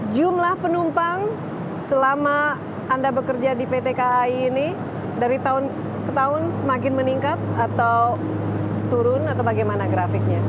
jumlah penumpang selama anda bekerja di pt kai ini dari tahun ke tahun semakin meningkat atau turun atau bagaimana grafiknya